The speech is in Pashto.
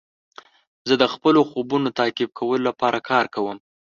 زه د خپلو خوبونو تعقیب کولو لپاره کار کوم.